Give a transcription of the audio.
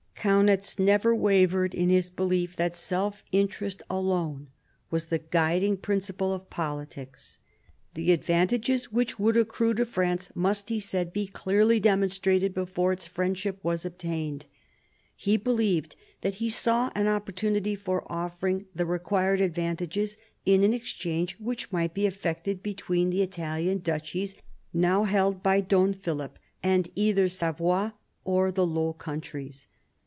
Kajiuitz never wavered in his \ belief that self interest alone was the guiding principle of politics. The advantages which would accrue to France must, he said, be clearly demonstrated before its friendship was obtained. He believed that he saw an opportunity for offering the required advantages, in an exchange which might be effected between the Italian duchies, now held by Don Philip, and either Savoy or the Low Countries.